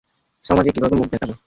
সমাজে কীভাবে মুখ দেখাবো?